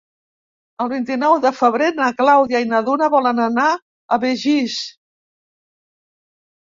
El vint-i-nou de febrer na Clàudia i na Duna volen anar a Begís.